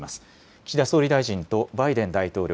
岸田総理大臣とバイデン大統領